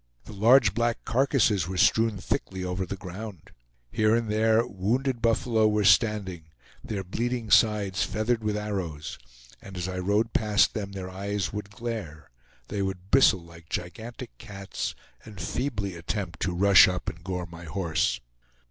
The large black carcasses were strewn thickly over the ground. Here and there wounded buffalo were standing, their bleeding sides feathered with arrows; and as I rode past them their eyes would glare, they would bristle like gigantic cats, and feebly attempt to rush up and gore my horse.